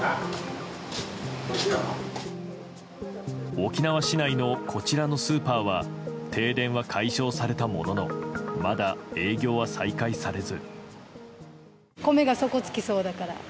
沖縄市内のこちらのスーパーは停電は解消されたもののまだ営業は再開されず。